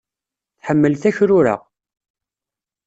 Tḥemmel takrura.